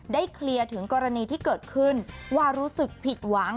เคลียร์ถึงกรณีที่เกิดขึ้นว่ารู้สึกผิดหวัง